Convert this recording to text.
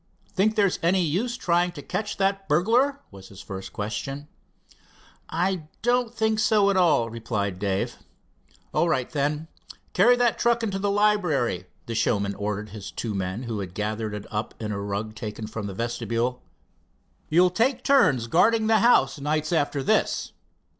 "Think there's any use trying to catch that burglar?" was his first question. "I don't think so at all," replied Dave. "All right, then. Carry that truck into the library," the showman ordered his two men, who had gathered it up in a rug taken from the vestibule. "You'll take turns guarding the house, nights after this.